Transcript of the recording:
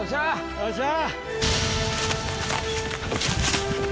よっしゃ！